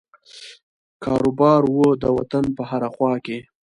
کاروبار وو د وطن په هره خوا کې.